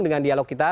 dengan dialog kita